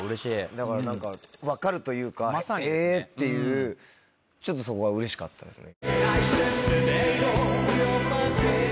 だから何か分かるというか「え」っていうちょっとそこがうれしかったですね。